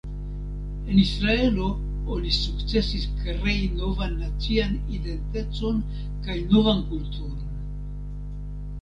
En Israelo oni sukcesis krei novan nacian identecon kaj novan kulturon.